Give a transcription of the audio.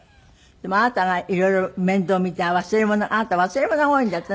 でもあなたが色々面倒を見た忘れ物あなた忘れ物が多いんだって？